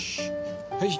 はい。